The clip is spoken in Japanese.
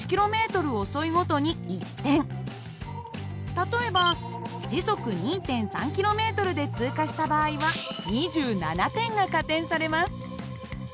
例えば時速２．３ｋｍで通過した場合は２７点が加点されます。